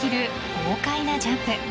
豪快なジャンプ。